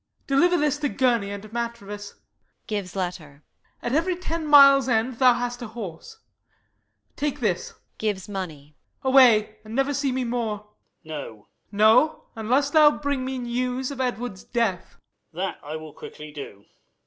Deliver this to Gurney and Matrevis: [Gives letter. At every ten mile end thou hast a horse: Take this [Gives money]: away, and never see me more! Light. No? Y. Mor. No; unless thou bring me news of Edward's death. Light. That will I quickly do.